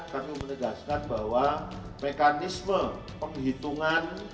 kami menegaskan bahwa mekanisme penghitungan